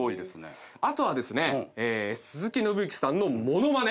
あとはですね鈴木伸之さんの物まね。